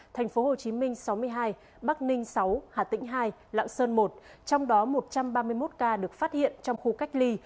tp hcm sáu mươi hai bắc ninh sáu hà tĩnh hai lạng sơn một trong đó một trăm ba mươi một ca được phát hiện trong khu cách ly